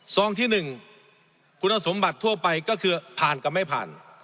ซองที่๑คุณสมบัติทั่วไปก็คือผ่านกับไม่ผ่าน